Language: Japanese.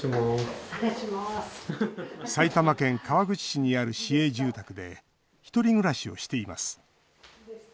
埼玉県川口市にある市営住宅で１人暮らしをしています。